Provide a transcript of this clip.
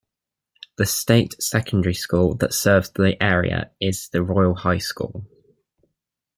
The state secondary school that serves the area is the Royal High School.